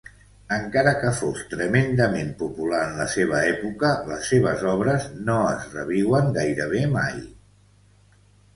Encara que fos tremendament popular en la seva època, les seves obres no es reviuen gairebé mai.